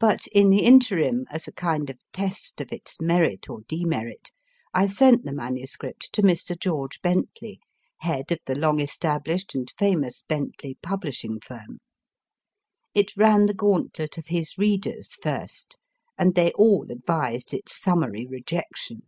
But in the interim, as a kind of test of its merit or demerit, I sent the MS. to Mr. George Bentley, head of the long established and famous Bentley publishing firm. It ran the gauntlet of his readers first, and they all advised its summary rejection.